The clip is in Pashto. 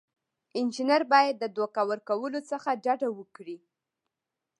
انجینر باید د دوکه ورکولو څخه ډډه وکړي.